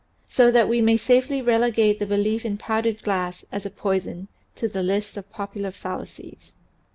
So that we may safely relegate the belief in powdered glass as a poison to the list of popular fallacies.